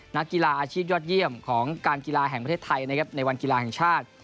นักกีฬาอาชีพยอดเยี่ยมของการกีฬาแห่งประเทศไทยนะครับในวันกีฬาแห่งชาติ